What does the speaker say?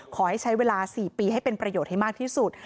ขอให้ใช้เวลา๔ปีให้เป็นประโยชน์ให้มากที่สุด